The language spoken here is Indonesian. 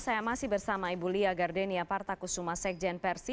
saya masih bersama ibu lia gardenia partakusumasekjen persi